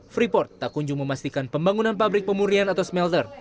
freeport tak kunjung memastikan pembangunan pabrik pemurian atau smelter